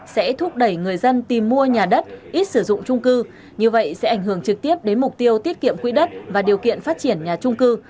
sẽ thúc đẩy người dân tìm mua nhà đất ít sử dụng trung cư như vậy sẽ ảnh hưởng trực tiếp đến mục tiêu tiết kiệm quỹ đất và điều kiện phát triển nhà trung cư